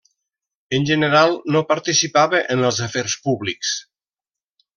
En general no participava en els afers públics.